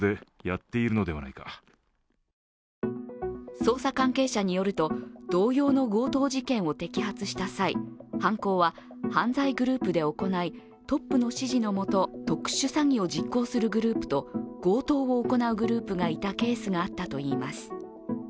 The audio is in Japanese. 捜査関係者によると同様の強盗事件を摘発した際犯行は犯罪グループで行い、トップの指示のもと特殊詐欺を実行するグループと強盗を行うグループがいたケースがあったといいます。